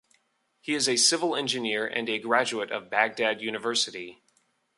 He is a Civil Engineer and a graduate of Baghdad University.